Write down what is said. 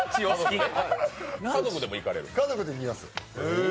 家族で行きます。